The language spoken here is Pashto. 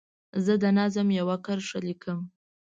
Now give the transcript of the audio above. زه د نظم یوه کرښه لیکم.